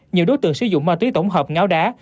nhiều đối tượng sử dụng ma túy tổng hợp ngáo đá